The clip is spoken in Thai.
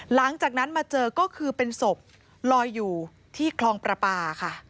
หลังจากนั้นมาเจอก็คือเป็นศพลอยอยู่ที่คลองประปาค่ะ